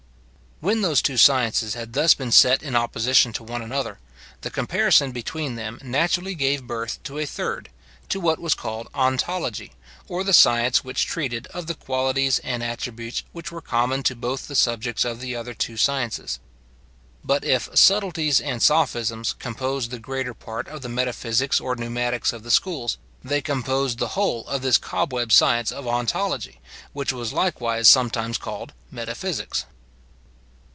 When those two sciences had thus been set in opposition to one another, the comparison between them naturally gave birth to a third, to what was called ontology, or the science which treated of the qualities and attributes which were common to both the subjects of the other two sciences. But if subtleties and sophisms composed the greater part of the metaphysics or pneumatics of the schools, they composed the whole of this cobweb science of ontology, which was likewise sometimes called metaphysics.